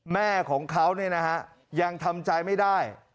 แม่ของเขาเนี่ยนะฮะยังทำใจไม่ได้